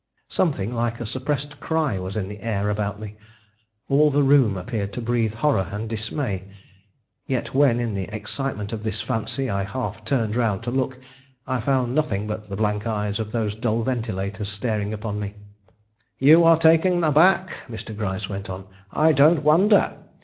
Something like a suppressed cry was in the air about me. All the room appeared to breathe horror and dismay. Yet when, in the excitement of this fancy, I half turned round to look, I found nothing but the blank eyes of those dull ventilators staring upon me. "You are taken aback!" Mr. Gryce went on. "I don't wonder.